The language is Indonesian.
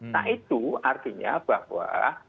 nah itu artinya bahwa